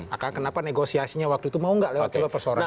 akal kenapa negosiasinya waktu itu mau gak lewat persorangan